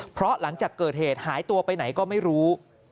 เพราะหลังจากเกิดเหตุหายตัวไปไหนก็ไม่รู้